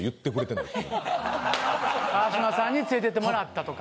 川島さんに連れてってもらったとか。